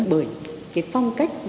bởi cái phong trí